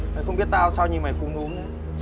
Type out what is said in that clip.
mày không biết tao sao nhìn mày cung đúng